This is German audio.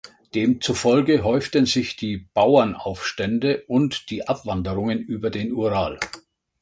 Demzufolge häuften sich die Bauernaufstände und die Abwanderungen über den Ural.